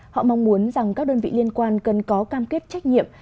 họ mong muốn rằng các đơn vị liên quan cần có cam kết trách nhiệm